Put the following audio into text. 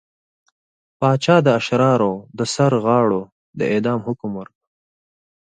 پاچا د اشرارو د سرغاړو د اعدام حکم ورکړ.